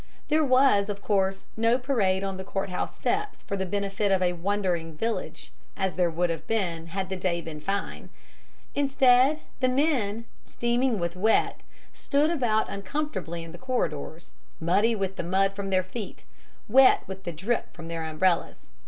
There was, of course, no parade on the courthouse steps for the benefit of a wondering village, as there would have been had the day been fine. Instead, the men, steaming with wet, stood about uncomfortably in the corridors, muddy with the mud from their feet, wet with the drip from their umbrellas.